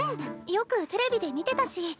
よくテレビで見てたし。